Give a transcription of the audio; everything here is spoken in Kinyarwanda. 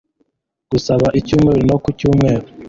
gusaba icyumweru no ku cyumweru